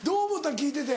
聞いてて。